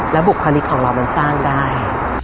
บุคลิกของเรามันสร้างได้